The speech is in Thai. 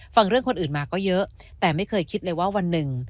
ฟังเรื่องคนอื่นมาก็เยอะแต่ไม่เคยคิดเลยว่าวันหนึ่ง